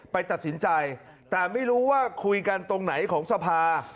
ไปตัดสินใจแต่ไม่รู้ว่าคุยกันตรงไหนของสภา